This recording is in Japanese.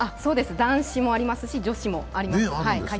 男子もありますし、女子もあります。